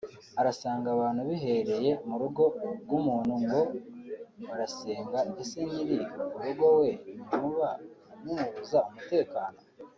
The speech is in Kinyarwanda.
arasanga abantu bihereye mu rugo rw’umuntu ngo barasenga ese nyiri urugo we ntimuba mu mubuza umutekano